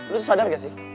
lo sadar gak sih